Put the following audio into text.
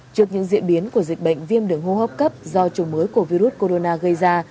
trước những diễn biến của dịch bệnh viêm đường hô hấp cấp do chủng mới của virus corona gây ra